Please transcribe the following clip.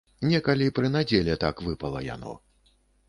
Некалі пры надзеле так выпала яно.